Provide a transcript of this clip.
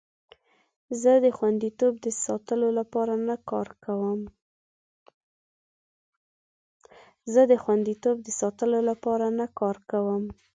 زه د خوندیتوب د ساتلو لپاره نه کار کوم.